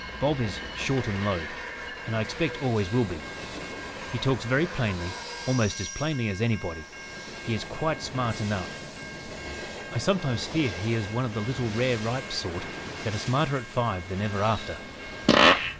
Bob is 'short and low,' and I expect always will be. He talks very plainly, almost as plainly as anybody. He is quite smart enough. I sometimes fear he is one of the little rare ripe sort that are smarter at five than ever after.